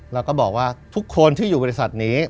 แล้วก็บอกว่าทุกคนที่อยู่บริษัทนี้